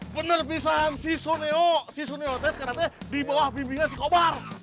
bener pisang si suneo si suneo tes karena dia di bawah pimpinan si kobar